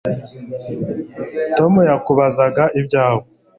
Tom yakubazaga ibyawe